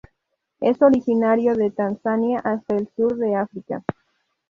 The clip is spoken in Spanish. Es originario de Tanzania hasta el sur de África.